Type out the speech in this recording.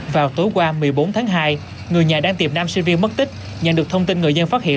vào tối qua một mươi bốn tháng hai người nhà đang tìm nam sinh viên mất tích nhận được thông tin người dân phát hiện